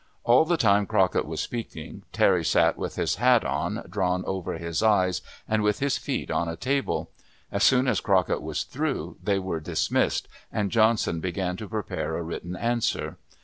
All the time Crockett was speaking, Terry sat with his hat on, drawn over his eyes, and with his feet on a table. As soon as Crockett was through, they were dismissed, and Johnson began to prepare a written answer.